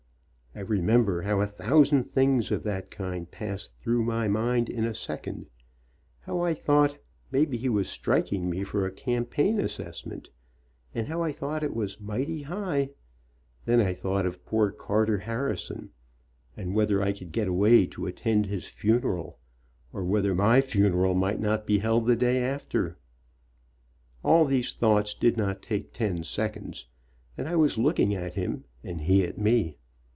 I remember how a thousand things of that kind passed through my mind in a second, how I thought maybe he was striking me for a cam paign assessment, and how I thought it was mighty high, and then I thought of poor Carter Harrison, and whether I could get away to attend his funeral, or whether my funeral might not be held the day after. All these thoughts did not take ten seconds, and I was looking at him and he at me.